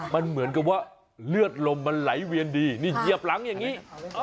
มันเหมือนกับว่าเลือดลมมันไหลเวียนดีนี่เหยียบหลังอย่างนี้